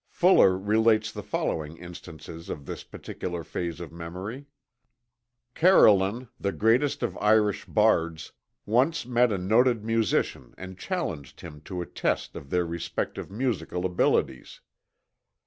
Fuller relates the following instances of this particular phase of memory: Carolan, the greatest of Irish bards, once met a noted musician and challenged him to a test of their respective musical abilities.